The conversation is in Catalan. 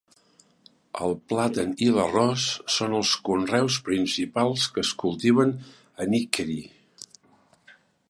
El plàtan i l'arròs són els conreus principals que es cultiven a Nickerie.